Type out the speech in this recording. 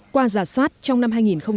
qua giả soát trong năm hai nghìn một mươi tám